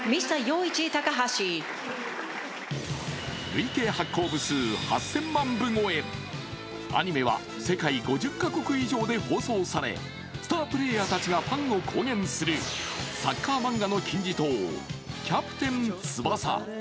累計発行部数８０００万部超え、アニメは世界５０カ国以上で放送され、スタープレーヤーたちがファンを公言するサッカー漫画の金字塔「キャプテン翼」。